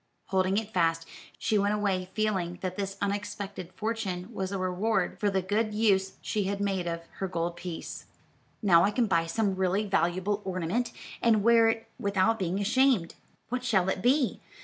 Holding it fast, she went away feeling that this unexpected fortune was a reward for the good use she had made of her gold piece. "Now I can buy some really valuable ornament, and wear it without being ashamed. What shall it be?